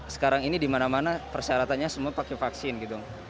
sekarang ini dimana mana persyaratannya semua pakai vaksin gitu